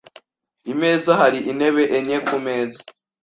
Imeza hari intebe enye kumeza.